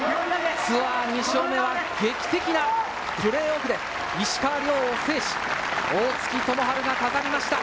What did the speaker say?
ツアー２勝目は劇的なプレーオフで、石川遼を制し、大槻智春が飾りました。